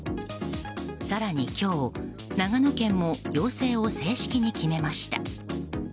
更に今日、長野県も要請を正式に決めました。